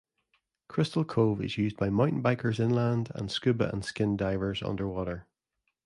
Crystal Cove is used by mountain bikers inland and scuba and skin divers underwater.